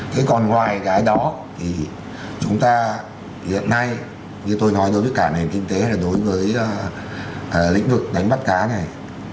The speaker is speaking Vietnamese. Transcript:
thế còn ngoài cái đó thì chúng ta hiện nay như tôi nói đối với cả nền kinh tế là đối với lĩnh vực đánh bắt cá này